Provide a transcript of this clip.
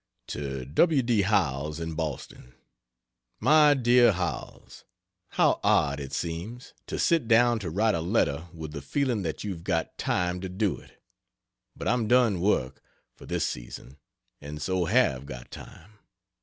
To W. D. Howells, in Boston: MY DEAR HOWELLS, How odd it seems, to sit down to write a letter with the feeling that you've got time to do it. But I'm done work, for this season, and so have got time.